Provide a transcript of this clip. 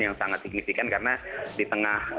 yang sangat signifikan karena di tengah